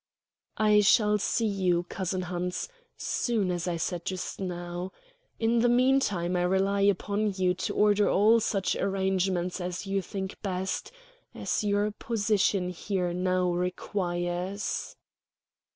] "I shall see you, cousin Hans, soon, as I said just now. In the mean time I rely upon you to order all such arrangements as you think best as your position here now requires."